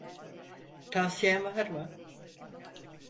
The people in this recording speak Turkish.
Tavsiyen var mı?